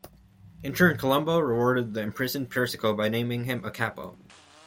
In turn, Colombo rewarded the imprisoned Persico by naming him a "capo".